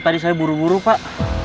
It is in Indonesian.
tadi saya buru buru pak